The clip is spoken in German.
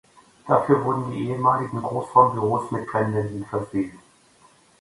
Dafür wurden die ehemaligen Großraumbüros mit Trennwänden versehen.